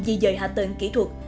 di rời hạng tầng kỹ thuật